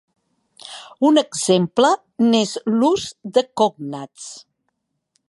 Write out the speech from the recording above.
Un exemple n'és l'ús de cognats.